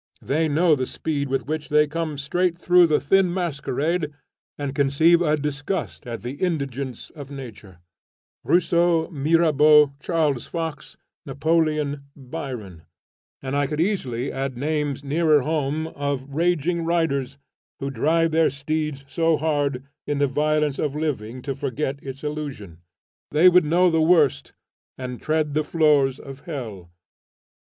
They know the speed with which they come straight through the thin masquerade, and conceive a disgust at the indigence of nature: Rousseau, Mirabeau, Charles Fox, Napoleon, Byron, and I could easily add names nearer home, of raging riders, who drive their steeds so hard, in the violence of living to forget its illusion: they would know the worst, and tread the floors of hell.